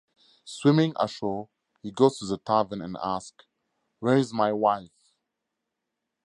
Swimming ashore, he goes to the tavern and asks "Where is my Wife?".